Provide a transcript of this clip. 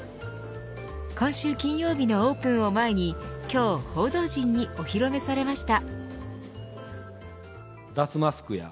今週金曜日のオープンを前に今日、報道陣にお披露目されました。